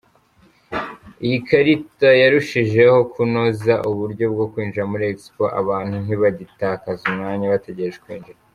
Iyi karita yarushijeho kunoza uburyo bwo kwinjira muri Expo, abantu ntibagitakaza umwanya bategereje kwinjira.